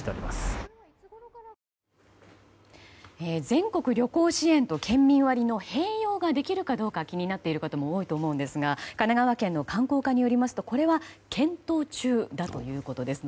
全国旅行支援と県民割の併用ができるかどうか気になっている方も多いと思うんですが神奈川県の観光課によりますとこれは検討中だということです。